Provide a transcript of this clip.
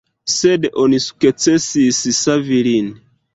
Sed oni sukcesis savi lin.